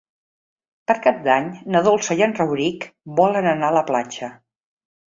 Per Cap d'Any na Dolça i en Rauric volen anar a la platja.